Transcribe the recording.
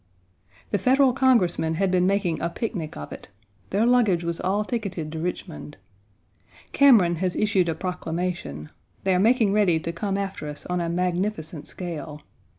The Federal Congressmen had been making a picnic of it: their luggage was all ticketed to Richmond. Cameron has issued a proclamation. They are making ready to come after us on a magnificent scale.